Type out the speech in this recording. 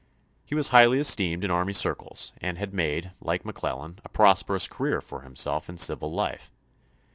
He was highly esteemed in army circles and had made, like Mc Clellan, a prosperous career for himself in civil life.